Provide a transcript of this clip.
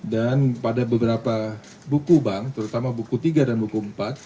dan pada beberapa buku bank terutama buku tiga dan buku empat